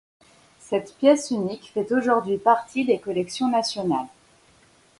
Cette pièce unique fait aujourd'hui partie des collections nationales.